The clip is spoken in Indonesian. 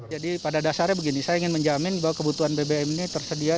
jadi pada dasarnya begini saya ingin menjamin bahwa kebutuhan bbm ini tersedia